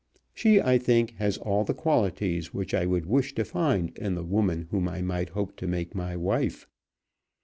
She, I think, has all the qualities which I would wish to find in the woman whom I might hope to make my wife.